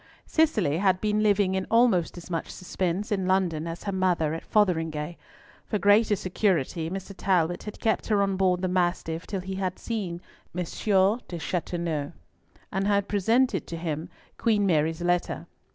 Cicely had been living in almost as much suspense in London as her mother at Fotheringhay. For greater security Mr. Talbot had kept her on board the Mastiff till he had seen M. d'Aubepine Chateauneuf, and presented to him Queen Mary's letter.